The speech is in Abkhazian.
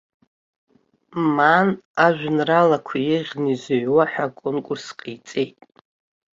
Маан ажәеинраалақәа еиӷьны изыҩуа ҳәа аконкурс ҟаиҵеит.